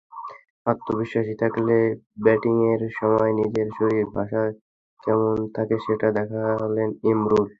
আত্মবিশ্বাসী থাকলে ব্যাটিংয়ের সময় নিজের শরীরী ভাষা কেমন থাকে, সেটা দেখালেন ইমরুল।